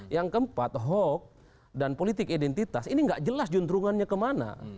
yang keempat hoax dan politik identitas ini nggak jelas juntrungannya kemana